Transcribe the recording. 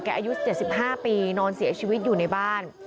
อายุ๗๕ปีนอนเสียชีวิตอยู่ในบ้าน